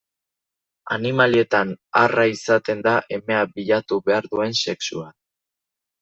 Animalietan arra izaten da emea bilatu behar duen sexua.